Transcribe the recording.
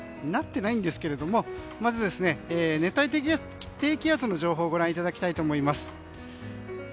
なっていないんですがまず熱帯低気圧の情報をご覧いただきたいと思います。